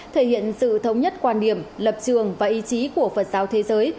thể hiện sự thống nhất quan điểm lập trường và ý chí của phật giáo thế giới